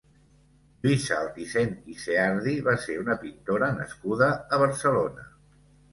Lluïsa Altisent i Ceardi va ser una pintora nascuda a Barcelona.